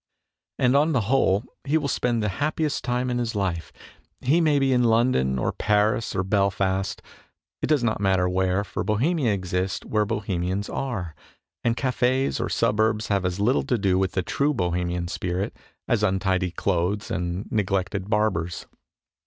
And on the whole he will spend the happiest time in his life. He may be in London, or Paris, or Belfast it does not matter where, for Bohemia exists where Bohemians are, and cafes or suburbs have as little to do with the true Bohemian spirit as untidy clothes and neglected barbers.